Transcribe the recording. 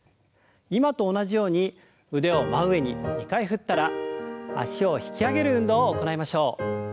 今と同じように腕を真上に２回振ったら脚を引き上げる運動を行いましょう。